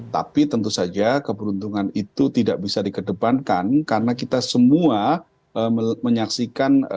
tapi tentu saja keberuntungan itu tidak bisa dikedepankan karena kita semua menyaksikan